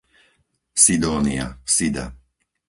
Sidónia, Sida